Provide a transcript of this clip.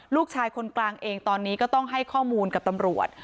ลูกชายคนกลางเองตอนนี้ก็ต้องให้ข้อมูลกับตำรวจ